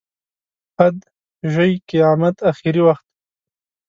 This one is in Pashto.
حد، ژۍ، قیامت، اخري وخت.